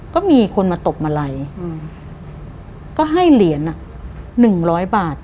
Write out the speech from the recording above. ก็มีคนมาตบมาลัยก็ให้เหรียญ๑๐๐บาท